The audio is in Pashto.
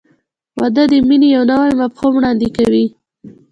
• واده د مینې یو نوی مفهوم وړاندې کوي.